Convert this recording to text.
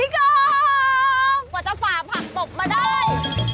คอฟมาจะฝากผักตบมาได้